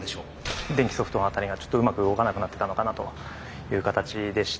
電気ソフトの辺りがちょっとうまく動かなくなってたのかなという形でした。